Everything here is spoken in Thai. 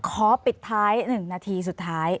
ขอปิดท้าย๑นาทีสุดท้าย